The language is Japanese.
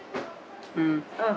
うん。